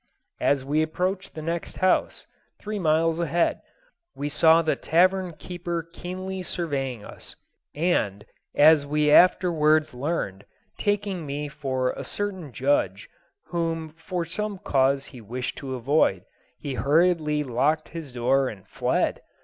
As we approached the next house, three miles ahead, we saw the tavern keeper keenly surveying us, and, as we afterwards learned, taking me for a certain judge whom for some cause he wished to avoid, he hurriedly locked his door and fled.